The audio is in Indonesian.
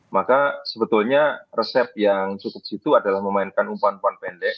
maka sebetulnya resep yang cukup situ adalah memainkan umpan umpan pendek